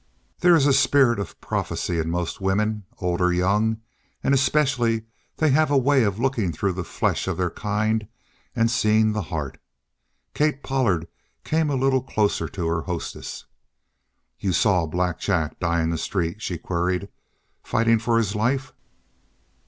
There is a spirit of prophecy in most women, old or young; and especially they have a way of looking through the flesh of their kind and seeing the heart. Kate Pollard came a little closer to her hostess. "You saw Black Jack die in the street," she queried, "fighting for his life?"